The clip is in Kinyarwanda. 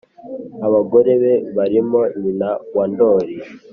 abagore be barimo nyina wa ndoli